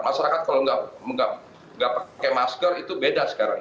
masyarakat kalau nggak pakai masker itu beda sekarang